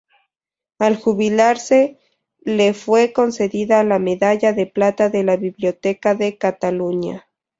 Al jubilarse le fue concedida la medalla de plata de la Biblioteca de Cataluña.